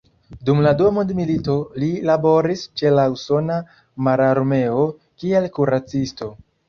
Dum la dua mondmilito, li laboris ĉe la usona mararmeo kiel kuracisto.